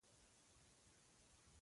مستو دا ځل څه ونه ویل.